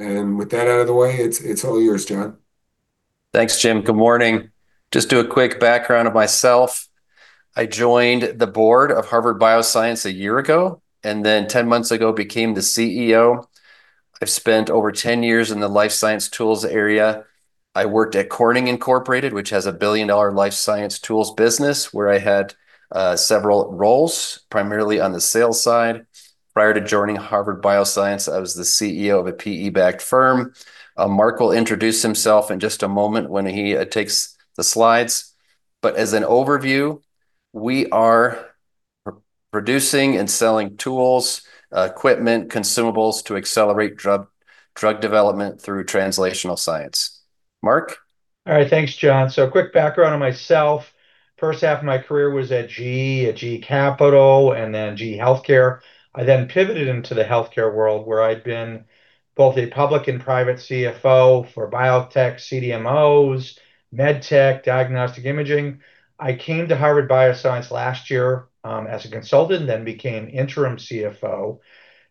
With that out of the way, it's all yours, Jim Green. Thanks, Jim. Good morning. Just do a quick background of myself. I joined the board of Harvard Bioscience a year ago, and then 10 months ago became the CEO. I've spent over 10 years in the life science tools area. I worked at Corning Incorporated, which has a billion-dollar life science tools business, where I had several roles, primarily on the sales side. Prior to joining Harvard Bioscience, I was the CEO of a PE-backed firm. Mark will introduce himself in just a moment when he takes the slides. As an overview, we are producing and selling tools, equipment, consumables to accelerate drug development through translational science. Mark? All right. Thanks, Jim Green. Quick background on myself. First half of my career was at GE, at GE Capital, and then GE HealthCare. I then pivoted into the healthcare world, where I'd been both a public and private CFO for biotech, CDMOs, med tech, diagnostic imaging. I came to Harvard Bioscience last year, as a consultant, then became interim CFO,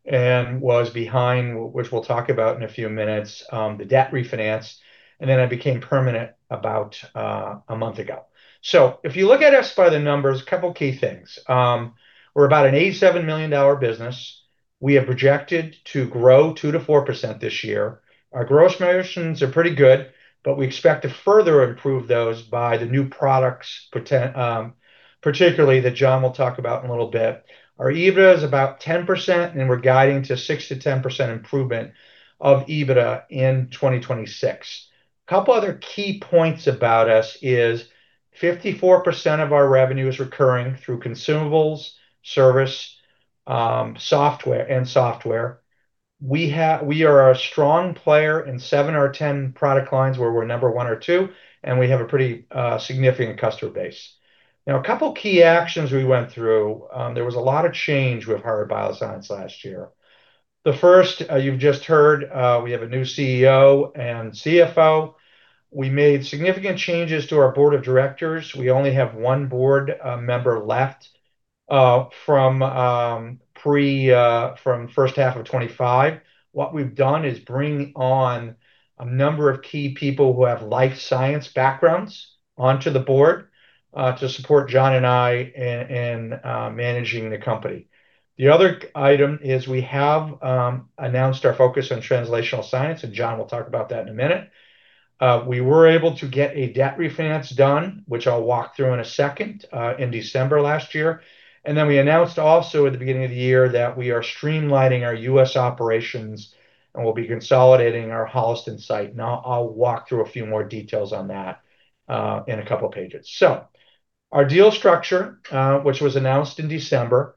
and was behind, which we'll talk about in a few minutes, the debt refinance, and then I became permanent about a month ago. If you look at us by the numbers, couple key things. We're about an $87 million business. We have projected to grow two-four percent this year. Our gross margins are pretty good, but we expect to further improve those by the new products, particularly that Jim Green will talk about in a little bit. Our EBITDA is about 10%, and we're guiding to 6%-10% improvement of EBITDA in 2026. Couple other key points about us is 54% of our revenue is recurring through consumables, service, and software. We are a strong player in seven or 10 product lines where we're number one or two, and we have a pretty significant customer base. Now, a couple key actions we went through. There was a lot of change with Harvard Bioscience last year. The first, you've just heard, we have a new CEO and CFO. We made significant changes to our board of directors. We only have one board member left from first half of 2025. What we've done is bring on a number of key people who have life science backgrounds onto the board, to support Jim Green and I in managing the company. The other item is we have announced our focus on translational science. Jim Green will talk about that in a minute. We were able to get a debt refinance done, which I will walk through in a second, in December last year. We announced also at the beginning of the year that we are streamlining our U.S. operations and we will be consolidating our Holliston site, and I will walk through a few more details on that in a couple pages. Our deal structure, which was announced in December,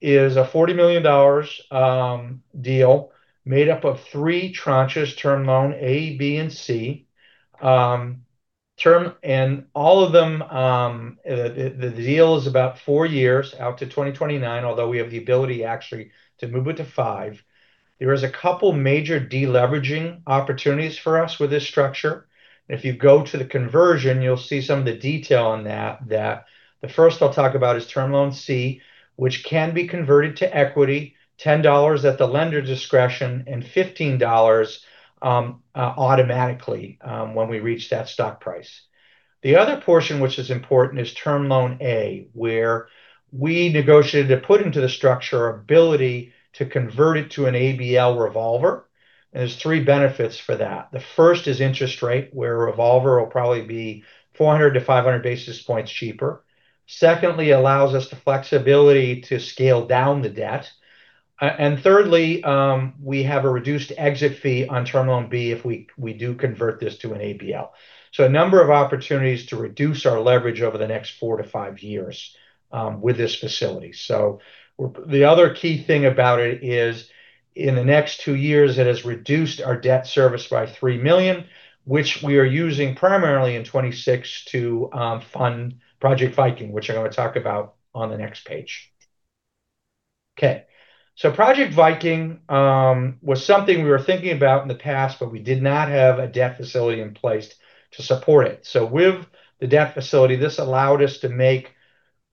is a $40 million deal made up of three tranches, Term Loan A, B, and C. The deal is about four years out to 2029, although we have the ability actually to move it to five. There is a couple major deleveraging opportunities for us with this structure. If you go to the conversion, you'll see some of the detail on that. The first I'll talk about is Term Loan C, which can be converted to equity, $10 at the lender's discretion and $15 automatically when we reach that stock price. The other portion which is important is Term Loan A, where we negotiated to put into the structure our ability to convert it to an ABL revolver, there's three benefits for that. The first is interest rate, where a revolver will probably be 400 - 500 basis points cheaper. Secondly, allows us the flexibility to scale down the debt. Thirdly, we have a reduced exit fee on Term Loan B if we do convert this to an ABL. A number of opportunities to reduce our leverage over the next four - five years with this facility. The other key thing about it is in the next two years, it has reduced our debt service by $3 million, which we are using primarily in 2026 to fund Project Viking, which I'm going to talk about on the next page. Project Viking was something we were thinking about in the past, but we did not have a debt facility in place to support it. With the debt facility, this allowed us to make,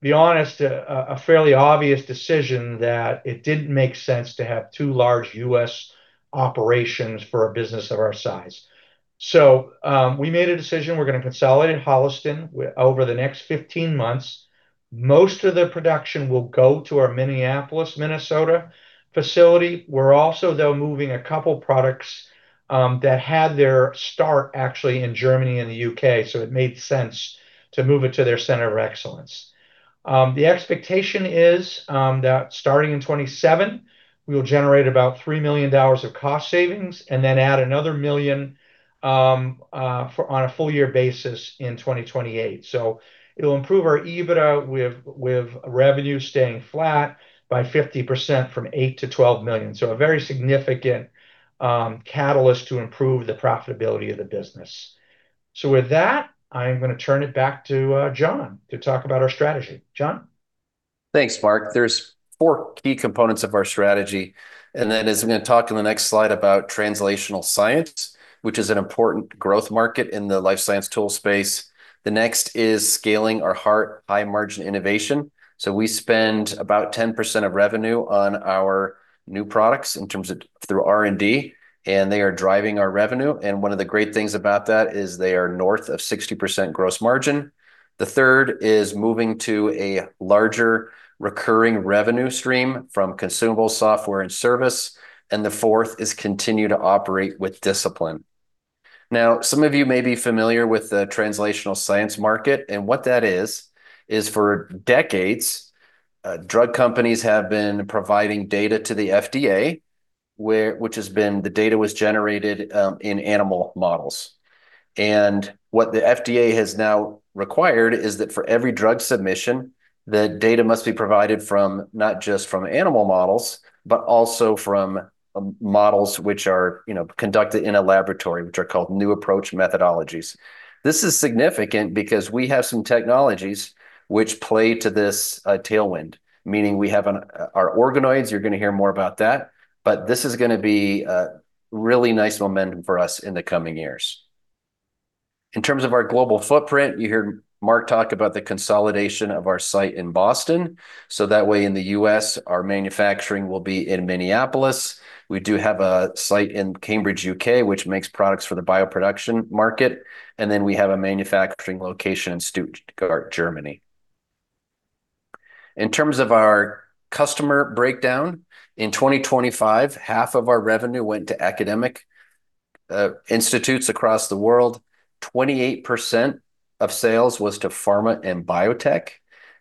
be honest, a fairly obvious decision that it didn't make sense to have two large U.S. operations for a business of our size. We made a decision, we're going to consolidate Holliston over the next 15 months. Most of the production will go to our Minneapolis, Minnesota facility. We're also, though, moving a couple products that had their start actually in Germany and the U.K., so it made sense to move it to their center of excellence. The expectation is that starting in 2027, we will generate about $3 million of cost savings and then add $1 million on a full year basis in 2028. It'll improve our EBITDA with revenue staying flat by 50% from $8 million-$12 million. A very significant catalyst to improve the profitability of the business. With that, I am going to turn it back to Jim Green to talk about our strategy. Jim Green? Thanks, Mark. There's four key components of our strategy, that is I'm going to talk in the next slide about translational science, which is an important growth market in the life science tool space. The next is scaling our high-margin innovation. We spend about 10% of revenue on our new products through R&D, they are driving our revenue. One of the great things about that is they are north of 60% gross margin. The third is moving to a larger recurring revenue stream from consumable software and service, the fourth is continue to operate with discipline. Some of you may be familiar with the translational science market, what that is for decades, drug companies have been providing data to the FDA, which the data was generated in animal models. What the FDA has now required is that for every drug submission, the data must be provided from not just from animal models, but also from models which are conducted in a laboratory, which are called New Approach Methodologies. This is significant because we have some technologies which play to this tailwind, meaning our organoids, you're going to hear more about that, but this is going to be a really nice momentum for us in the coming years. In terms of our global footprint, you hear Mark talk about the consolidation of our site in Boston, so that way in the U.S., our manufacturing will be in Minneapolis. We do have a site in Cambridge, U.K., which makes products for the bioproduction market. We have a manufacturing location in Stuttgart, Germany. In terms of our customer breakdown, in 2025, half of our revenue went to academic institutes across the world, 28% of sales was to Pharma and Biotech,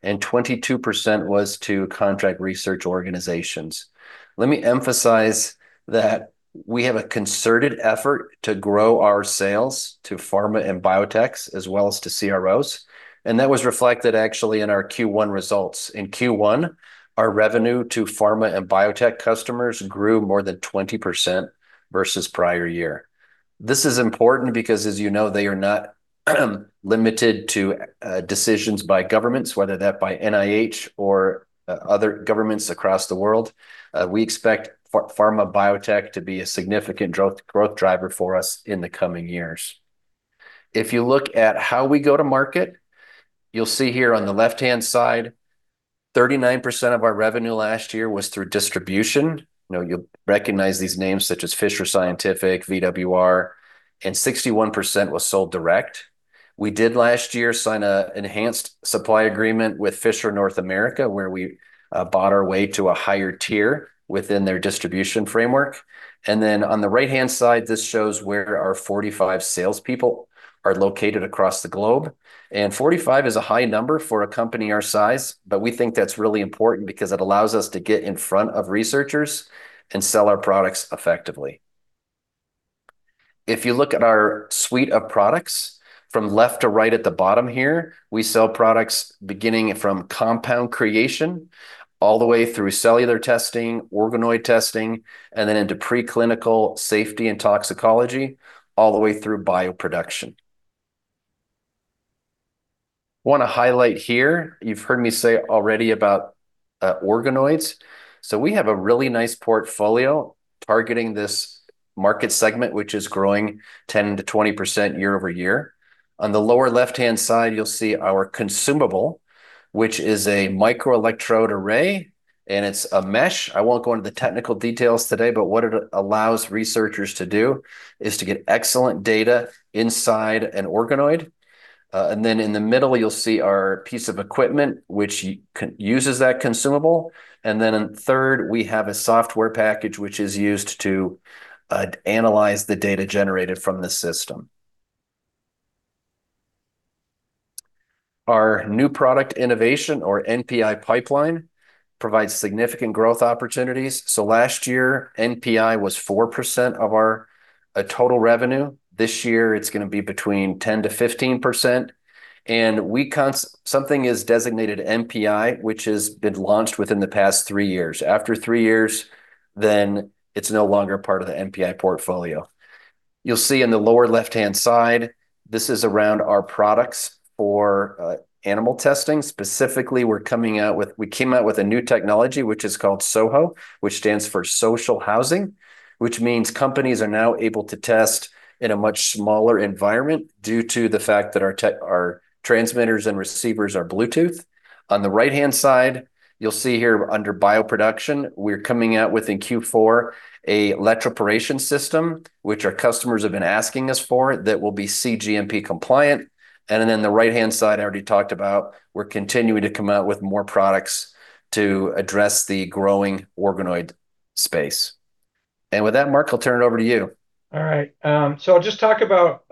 and 22% was to Contract Research Organizations. Let me emphasize that we have a concerted effort to grow our sales to Pharma and Biotechs as well as to CROs, and that was reflected actually in our Q1 results. In Q1, our revenue to Pharma and Biotech customers grew more than 20% versus prior year. This is important because, as you know, they are not limited to decisions by governments, whether that by NIH or other governments across the world. We expect Pharma Biotech to be a significant growth driver for us in the coming years. If you look at how we go to market, you'll see here on the left-hand side, 39% of our revenue last year was through distribution. You'll recognize these names such as Fisher Scientific, VWR, 61% was sold direct. We did last year sign an enhanced supply agreement with Fisher Scientific North America, where we bought our way to a higher tier within their distribution framework. Then on the right-hand side, this shows where our 45 salespeople are located across the globe. 45 is a high number for a company our size, but we think that's really important because it allows us to get in front of researchers and sell our products effectively. If you look at our suite of products from left to right at the bottom here, we sell products beginning from compound creation all the way through cellular testing, organoid testing, and then into pre-clinical safety and toxicology, all the way through bioproduction. I want to highlight here, you've heard me say already about organoids. We have a really nice portfolio targeting this market segment, which is growing 10%-20% year-over-year. On the lower left-hand side, you'll see our consumable, which is a microelectrode array, and it's a mesh. I won't go into the technical details today, but what it allows researchers to do is to get excellent data inside an organoid. In the middle, you'll see our piece of equipment, which uses that consumable. Third, we have a software package which is used to analyze the data generated from the system. Our new product innovation or NPI pipeline provides significant growth opportunities. Last year, NPI was four percent of our total revenue. This year, it's going to be between 10%-15%. Something is designated NPI, which has been launched within the past three years. After three years, it's no longer part of the NPI portfolio. You'll see in the lower left-hand side, this is around our products for animal testing. Specifically, we came out with a new technology, which is called SoHo, which stands for social housing, which means companies are now able to test in a much smaller environment due to the fact that our transmitters and receivers are Bluetooth. On the right-hand side, you'll see here under bioproduction, we're coming out with in Q4 a electroporation system, which our customers have been asking us for that will be cGMP compliant. The right-hand side, I already talked about, we're continuing to come out with more products to address the growing organoid space. With that, Mark, I'll turn it over to you. All right. I'll just talk about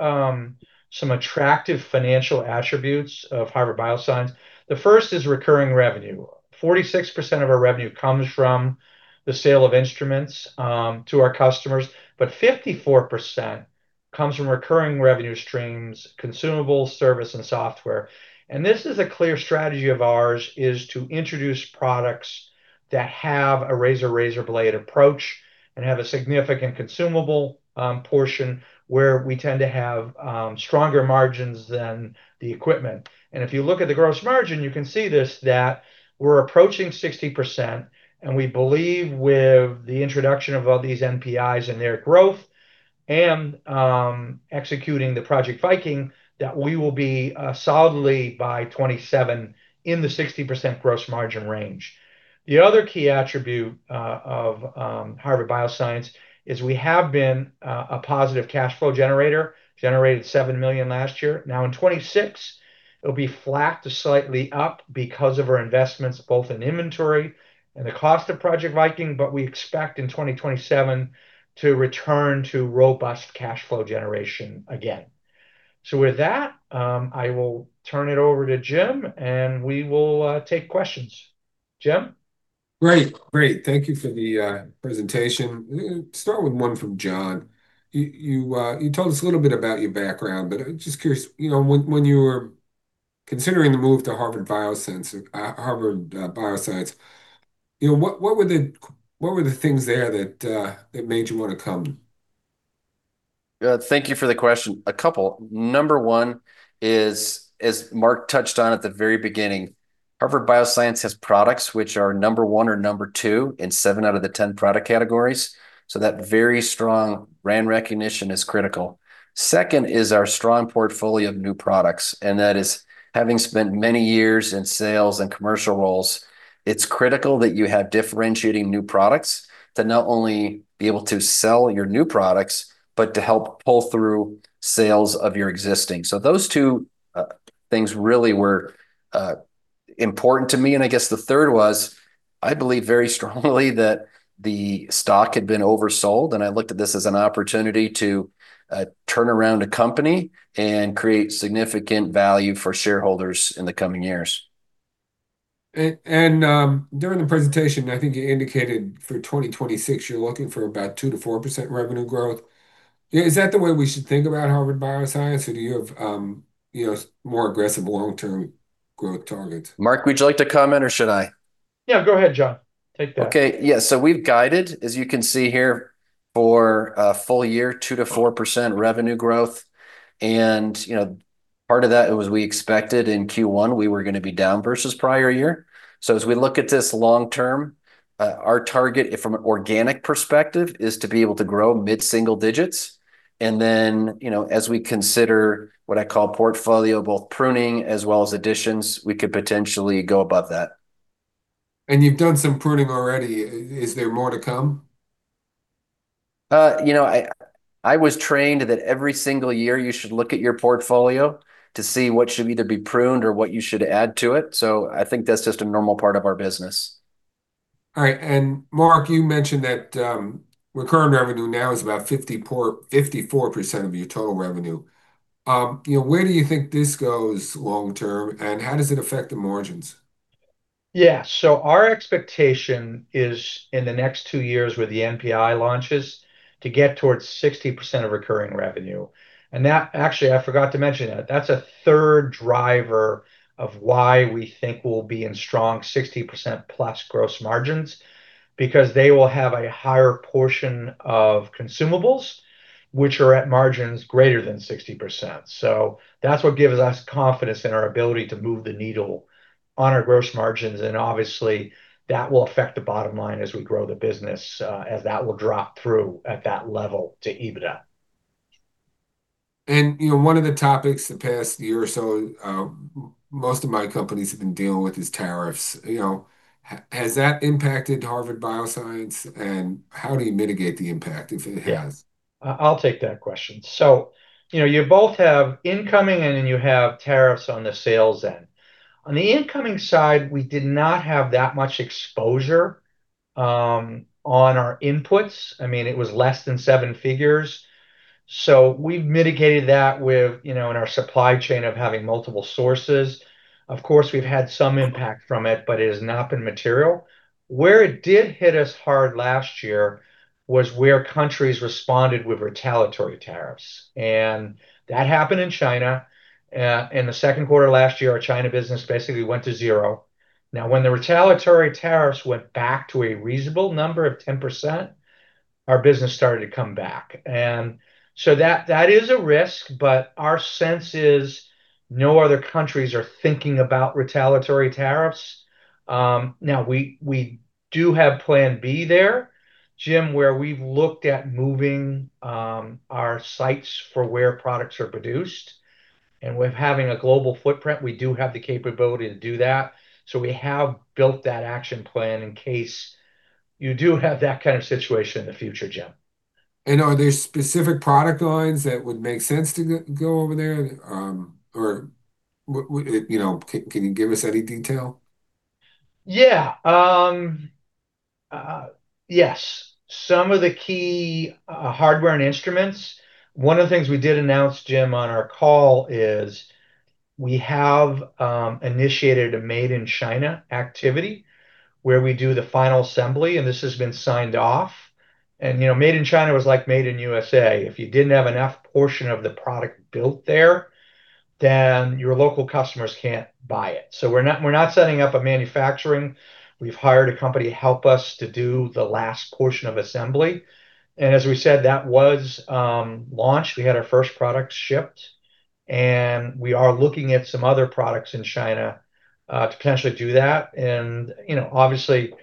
some attractive financial attributes of Harvard Bioscience. The first is recurring revenue. 46% of our revenue comes from the sale of instruments to our customers, but 54% comes from recurring revenue streams, consumables, service, and software. This is a clear strategy of ours, is to introduce products to have a razor-razorblade approach and have a significant consumable portion where we tend to have stronger margins than the equipment. If you look at the gross margin, you can see this, that we're approaching 60%, and we believe with the introduction of all these NPIs and their growth and executing the Project Viking, that we will be solidly by 2027 in the 60% gross margin range. The other key attribute of Harvard Bioscience is we have been a positive cash flow generator. Generated $7 million last year. Now in 2026, it'll be flat to slightly up because of our investments both in inventory and the cost of Project Viking, but we expect in 2027 to return to robust cash flow generation again. With that, I will turn it over to Jim, and we will take questions. Jim? Great. Thank you for the presentation. Start with one from Jim Green. You told us a little bit about your background, but I'm just curious, when you were considering the move to Harvard Bioscience, what were the things there that made you want to come? Thank you for the question. A couple. Number one is, as Mark touched on at the very beginning, Harvard Bioscience has products which are number one or number two in 7 out of the 10 product categories, that very strong brand recognition is critical. Second is our strong portfolio of new products, that is having spent many years in sales and commercial roles, it's critical that you have differentiating new products to not only be able to sell your new products, but to help pull through sales of your existing. Those two things really were important to me, I guess the third was, I believe very strongly that the stock had been oversold, I looked at this as an opportunity to turn around a company and create significant value for shareholders in the coming years. During the presentation, I think you indicated for 2026, you're looking for about two -four percent revenue growth. Is that the way we should think about Harvard Bioscience, or do you have more aggressive long-term growth targets? Mark, would you like to comment or should I? Yeah, go ahead, Jim Green. Take that. Okay. Yeah, we've guided, as you can see here, for a full year, two -four percent revenue growth and part of that was we expected in Q1 we were going to be down versus prior year. As we look at this long term, our target from an organic perspective is to be able to grow mid-single digits and then, as we consider what I call portfolio both pruning as well as additions, we could potentially go above that. You've done some pruning already. Is there more to come? I was trained that every single year you should look at your portfolio to see what should either be pruned or what you should add to it. I think that's just a normal part of our business. All right. Mark, you mentioned that recurring revenue now is about 54% of your total revenue. Where do you think this goes long term, and how does it affect the margins? Yeah. Our expectation is in the next two years with the NPI launches to get towards 60% of recurring revenue. That actually I forgot to mention that. That's a third driver of why we think we'll be in strong 60%+ gross margins because they will have a higher portion of consumables, which are at margins greater than 60%. That's what gives us confidence in our ability to move the needle on our gross margins, and obviously that will affect the bottom line as we grow the business, as that will drop through at that level to EBITDA. One of the topics the past year or so, most of my companies have been dealing with is tariffs. Has that impacted Harvard Bioscience, and how do you mitigate the impact if it has? Yeah. I'll take that question. You both have incoming and you have tariffs on the sales end. On the incoming side, we did not have that much exposure, on our inputs. It was less than seven figures. We've mitigated that in our supply chain of having multiple sources. Of course, we've had some impact from it, but it has not been material. Where it did hit us hard last year was where countries responded with retaliatory tariffs, and that happened in China. In the Q2 last year, our China business basically went to zero. Now when the retaliatory tariffs went back to a reasonable number of 10%, our business started to come back. That is a risk, but our sense is no other countries are thinking about retaliatory tariffs. We do have plan B there, Jim, where we've looked at moving, our sites for where products are produced, and with having a global footprint, we do have the capability to do that. We have built that action plan in case you do have that kind of situation in the future, Jim. Are there specific product lines that would make sense to go over there? Or can you give us any detail? Yeah. Yes. Some of the key, hardware and instruments. One of the things we did announce, Jim, on our call is we have, initiated a Made in China activity where we do the final assembly, and this has been signed off. Made in China was like Made in USA. If you didn't have enough portion of the product built there, your local customers can't buy it. We're not setting up a manufacturing. We've hired a company to help us to do the last portion of assembly. As we said, that was launched. We had our first product shipped, and we are looking at some other products in China to potentially do that. Obviously,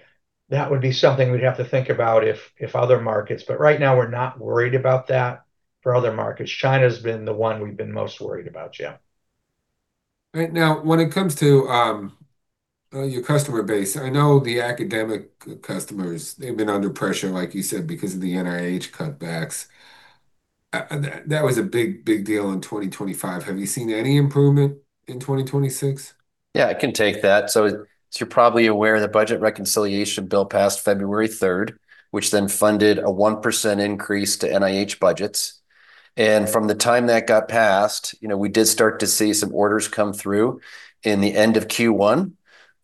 that would be something we'd have to think about if other markets, but right now we're not worried about that for other markets. China's been the one we've been most worried about, yeah. Right now, when it comes to your customer base, I know the academic customers, they've been under pressure, like you said, because of the NIH cutbacks. That was a big deal in 2025. Have you seen any improvement in 2026? Yeah, I can take that. As you're probably aware, the budget reconciliation bill passed February 3rd, which then funded a one percent increase to NIH budgets. From the time that got passed, we did start to see some orders come through in the end of Q1.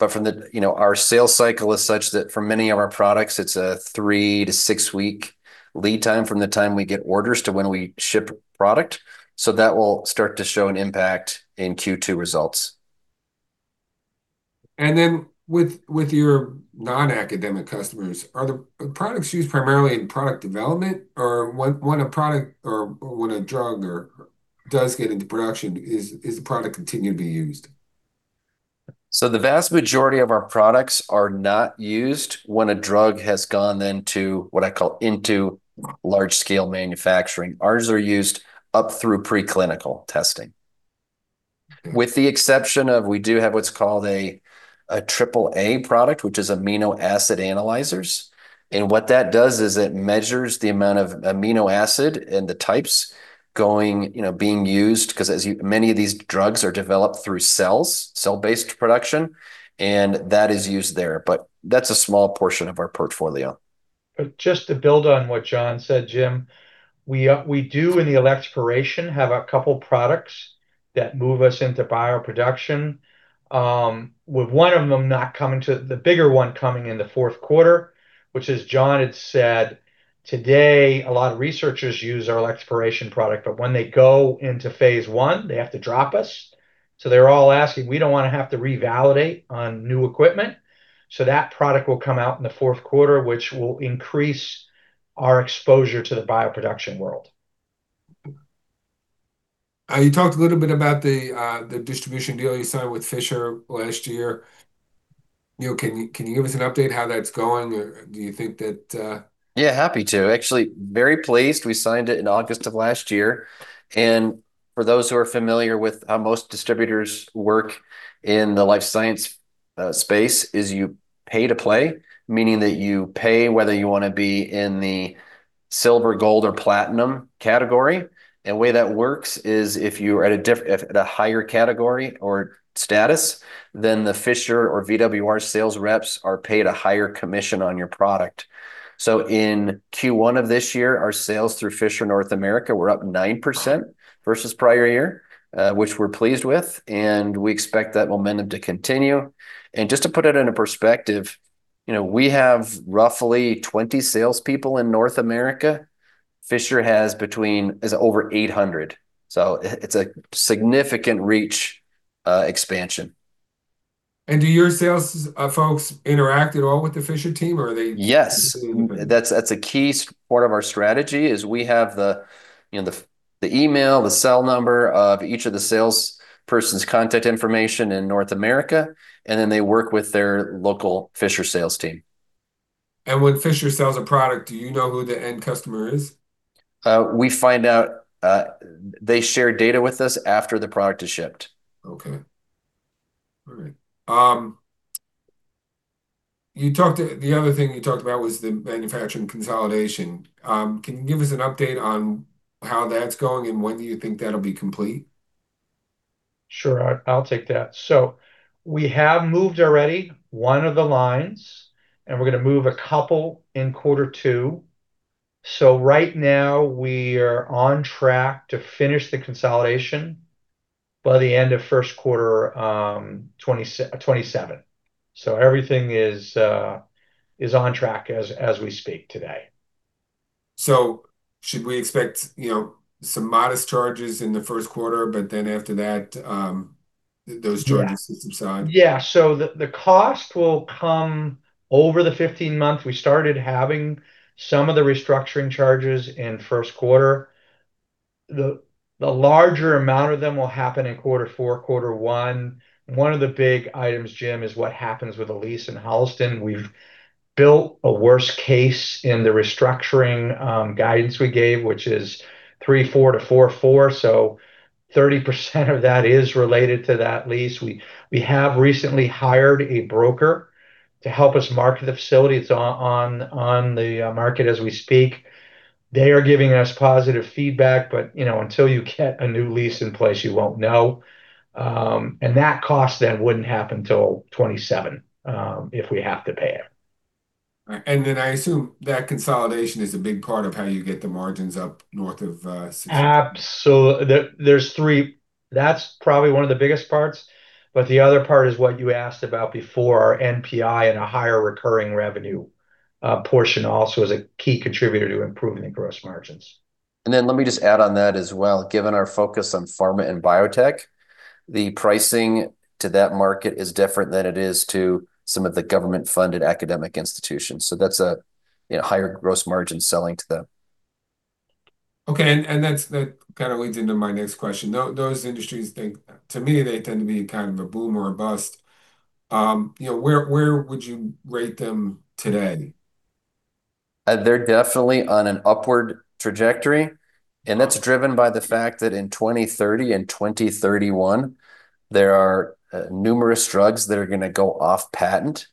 Our sales cycle is such that for many of our products, it's a three to six-week lead time from the time we get orders to when we ship product. That will start to show an impact in Q2 results. With your non-academic customers, are the products used primarily in product development? Or when a drug does get into production, is the product continued to be used? The vast majority of our products are not used when a drug has gone then to what I call into large scale manufacturing. Ours are used up through preclinical testing. With the exception of, we do have what's called a AAA product, which is amino acid analyzers. What that does is it measures the amount of amino acid and the types being used because many of these drugs are developed through cells, cell-based production, and that is used there. That's a small portion of our portfolio. Just to build on what Jim Green said, Jim, we do in the electroporation have a couple products that move us into bioproduction, with one of them not coming to the bigger one coming in theQ4, which as Jim Green had said, today a lot of researchers use our electroporation product, but when they go into phase I, they have to drop us. They're all asking, "We don't want to have to revalidate on new equipment." That product will come out in the Q4, which will increase our exposure to the bioproduction world. You talked a little bit about the distribution deal you signed with Fisher last year. Neil, can you give us an update how that's going? Yeah, happy to. Actually, very pleased. We signed it in August of last year. For those who are familiar with how most distributors work in the life science space is you pay to play, meaning that you pay whether you want to be in the silver, gold, or platinum category. The way that works is if you're at a higher category or status, then the Fisher or VWR sales reps are paid a higher commission on your product. In Q1 of this year, our sales through Fisher North America were up nine percent versus prior year, which we're pleased with, and we expect that momentum to continue. Just to put it into perspective, we have roughly 20 salespeople in North America. Fisher has over 800. It's a significant reach expansion. Do your sales folks interact at all with the Fisher Scientific team? Yes. That's a key part of our strategy is we have the email, the cell number of each of the salesperson's contact information in North America, and then they work with their local Fisher sales team. When Fisher sells a product, do you know who the end customer is? We find out, they share data with us after the product is shipped. Okay. All right. The other thing you talked about was the manufacturing consolidation. Can you give us an update on how that's going and when you think that'll be complete? Sure. I'll take that. We have moved already one of the lines, and we're going to move a couple in Q2. Right now, we are on track to finish the consolidation by the end of Q1 2027. Everything is on track as we speak today. should we expect some modest charges in the Q1, but then after that, those charges? Yeah will subside? The cost will come over the 15-month. We started having some of the restructuring charges in Q1. The larger amount of them will happen in Q4r, Q1. One of the big items, Jim, is what happens with the lease in Holliston. We've built a worst case in the restructuring guidance we gave, which is $3.4 million-$4.4 million. 30% of that is related to that lease. We have recently hired a broker to help us market the facility. It's on the market as we speak. They are giving us positive feedback, but until you get a new lease in place, you won't know. That cost wouldn't happen till 2027, if we have to pay it. I assume that consolidation is a big part of how you get the margins up north of 16%. Absolutely. That's probably one of the biggest parts, the other part is what you asked about before, NPI and a higher recurring revenue portion also is a key contributor to improving the gross margins. Let me just add on that as well, given our focus on pharma and biotech, the pricing to that market is different than it is to some of the government-funded academic institutions. That's a higher gross margin selling to them. Okay, that kind of leads into my next question. Those industries, to me, they tend to be kind of a boom or a bust. Where would you rate them today? They're definitely on an upward trajectory, and that's driven by the fact that in 2030 and 2031, there are numerous drugs that are going to go off patent.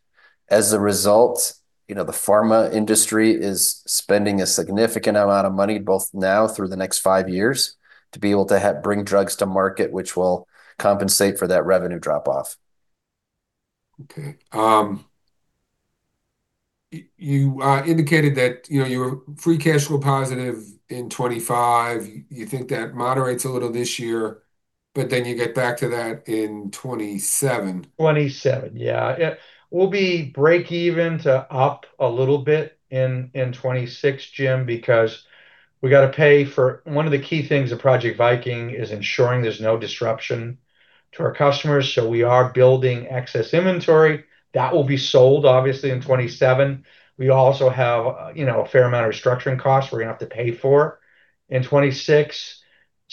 As a result, the pharma industry is spending a significant amount of money both now through the next five years to be able to bring drugs to market, which will compensate for that revenue drop-off. You indicated that you were free cash flow positive in 2025. You think that moderates a little this year, but then you get back to that in 2027. 27, yeah. We'll be break even to up a little bit in 2026, Jim, because we got to pay for. One of the key things of Project Viking is ensuring there's no disruption to our customers, so we are building excess inventory. That will be sold, obviously, in 2027. We also have a fair amount of restructuring costs we're going to have to pay for in 2026,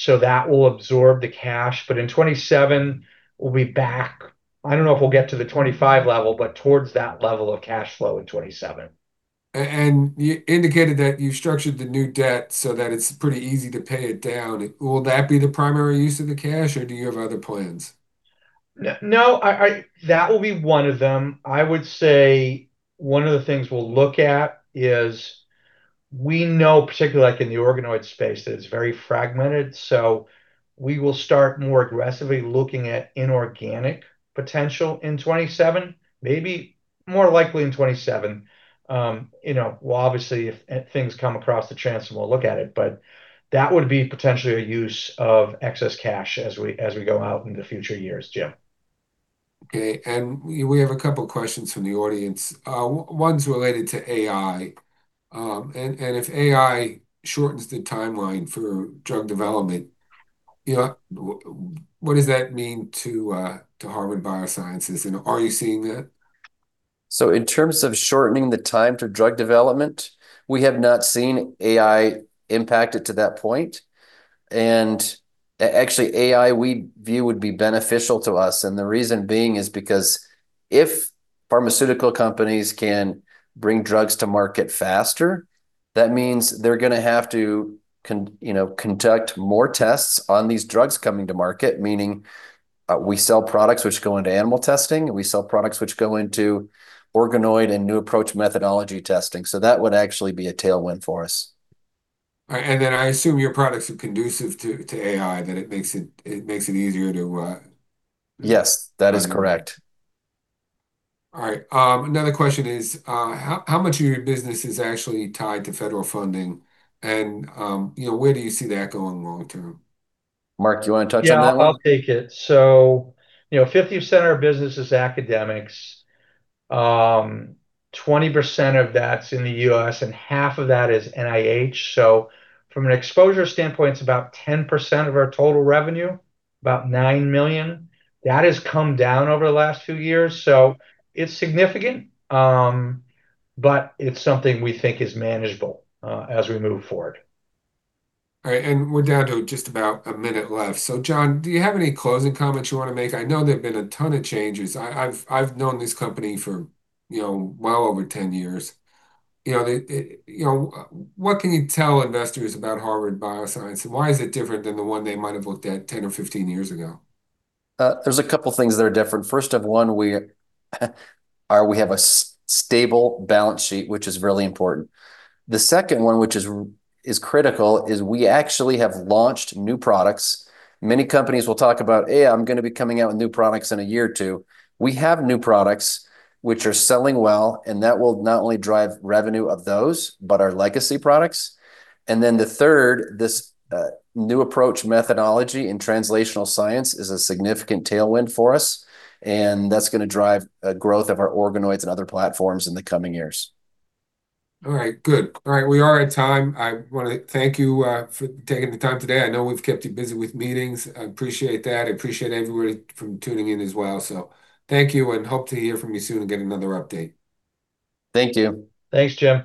that will absorb the cash. In 2027, we'll be back, I don't know if we'll get to the 2025 level, but towards that level of cash flow in 2027. You indicated that you structured the new debt so that it's pretty easy to pay it down. Will that be the primary use of the cash, or do you have other plans? That will be one of them. I would say one of the things we'll look at is we know, particularly like in the organoid space, that it's very fragmented. We will start more aggressively looking at inorganic potential in 2027, maybe more likely in 2027. Obviously, if things come across the chance, we'll look at it. That would be potentially a use of excess cash as we go out into future years, Jim. Okay. We have two questions from the audience. One's related to AI, and if AI shortens the timeline for drug development, what does that mean to Harvard Bioscience, and are you seeing that? In terms of shortening the time to drug development, we have not seen AI impact it to that point. Actually, AI we view would be beneficial to us, and the reason being is because if pharmaceutical companies can bring drugs to market faster, that means they're going to have to conduct more tests on these drugs coming to market, meaning we sell products which go into animal testing, and we sell products which go into organoid and New Approach Methodology testing. That would actually be a tailwind for us. I assume your products are conducive to AI, that it makes it easier. Yes, that is correct. All right. Another question is, how much of your business is actually tied to federal funding, and where do you see that going long term? Mark, you want to touch on that one? Yeah, I'll take it. 50% of our business is academics. 20% of that's in the U.S., Half of that is NIH. From an exposure standpoint, it's about 10% of our total revenue, about $9 million. That has come down over the last few years, so it's significant, but it's something we think is manageable as we move forward. All right. We're down to just about one minute left. Jim Green, do you have any closing comments you want to make? I know there've been a ton of changes. I've known this company for well over 10 years. What can you tell investors about Harvard Bioscience, and why is it different than the one they might have looked at 10 or 15 years ago? There's a couple things that are different. First of one, we have a stable balance sheet, which is really important. The second one, which is critical, is we actually have launched new products. Many companies will talk about, "Hey, I'm going to be coming out with new products in a year or two." We have new products which are selling well, that will not only drive revenue of those, but our legacy products. The third, this New Approach Methodology in translational science is a significant tailwind for us, and that's going to drive growth of our organoids and other platforms in the coming years. All right, good. We are at time. I want to thank you for taking the time today. I know we've kept you busy with meetings. I appreciate that. I appreciate everybody for tuning in as well. Thank you, and hope to hear from you soon and get another update. Thank you. Thanks, Jim.